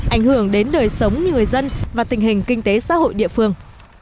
ảnh hưởng đến đời sống người dân và tình hình kinh tế xã hội địa phương